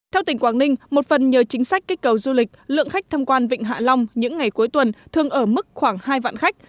theo tỉnh quảng ninh một phần nhờ chính sách kích cầu du lịch lượng khách tham quan vịnh hạ long những ngày cuối tuần thường ở mức khoảng hai vạn khách